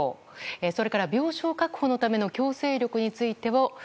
それから病床確保の強制力について。